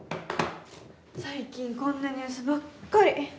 最近こんなニュースばっかり。